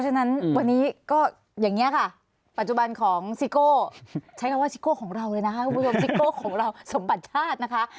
ใช้คำว่าซิโก้ของเราเลยนะครับว่าซิโก้ของเราสมบัติชาตินะคะ